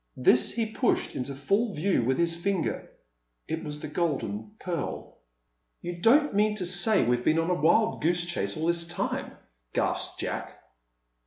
This he pushed into full view with his finger. It was the Golden Pearl. "You don't mean to say we've been on a wild goose chase all this time?" gasped Jack.